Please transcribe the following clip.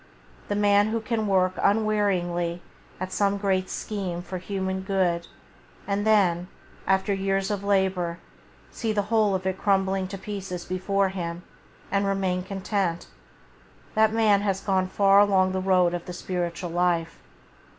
The man who can work unwearying at some great scheme for human good and then, after years of labour, see the whole of it crumbling to pieces before him, and remain content, that man has gone far along the road of the spiritual life.